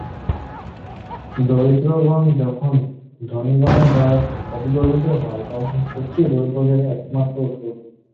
দরিদ্রগণ যখন ধনিগণের দ্বারা পদদলিত হয়, তখন শক্তিই দরিদ্রদের একমাত্র ঔষধ।